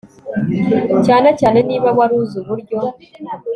Cyane cyane niba wari uzi uburyo